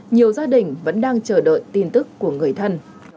nhiều gia đình vẫn đang chờ đợi tin tức của người thân